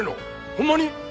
ホンマに？